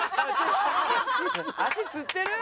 足つってる？